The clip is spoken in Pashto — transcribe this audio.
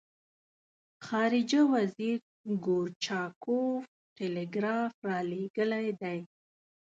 خارجه وزیر ګورچاکوف ټلګراف را لېږلی دی.